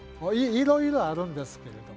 いろいろあるんですけれど。